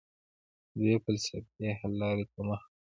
دوی فلسفي حل لارې ته مخه کړه.